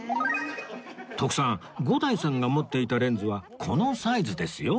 徳さん伍代さんが持っていたレンズはこのサイズですよ